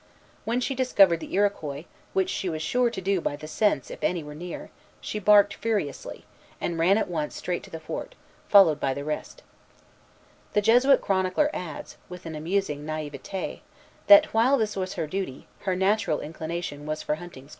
When she discovered the Iroquois, which she was sure to do by the scent, if any were near, she barked furiously, and ran at once straight to the fort, followed by the rest. The Jesuit chronicler adds, with an amusing naïveté, that, while this was her duty, "her natural inclination was for hunting squirrels." Lalemant, Relation, 1647, 74, 75.